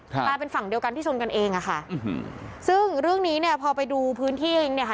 กลายเป็นฝั่งเดียวกันที่ชนกันเองอ่ะค่ะอืมซึ่งเรื่องนี้เนี่ยพอไปดูพื้นที่เองเนี่ยค่ะ